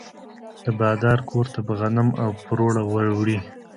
د بادار کور ته به غنم او پروړه وړي.